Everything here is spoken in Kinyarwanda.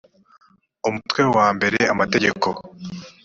umutwe wa mbere amategeko